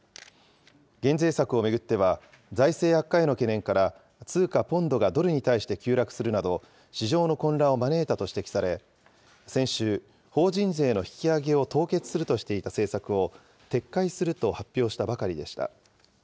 減税策を巡っては、財政悪化への懸念から、通貨ポンドがドルに対して急落するなど、市場の混乱を招いたと指摘され、先週、法人税の引き上げを凍結するとしていた政策を撤回すると発表したばかりでした。